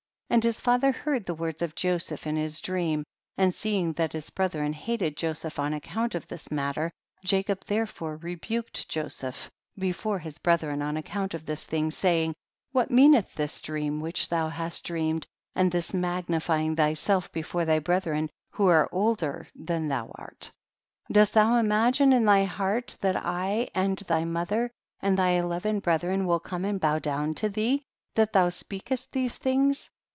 15. And his father heard the words of Joseph and his dream, and seeing that his brethren hated Joseph on account of this matter, Jacob therefore rebuked Joseph before his brethren on account of this thing, saying, what meaneth this dream which thou hast dreamed, and this magnifying thyself before thy breth ren who are older than thou art ? 16. Dost thou imagine in thy heart that I and thy mother and thy eleven brethren will come and bow down to thee, that thou speakest these things?